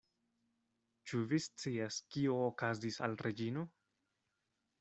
Ĉu vi scias, kio okazis al Reĝino?